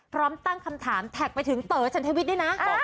พร้อมตั้งคำถามแท็กไปถึงเต๋อฉันทวิทย์ด้วยนะ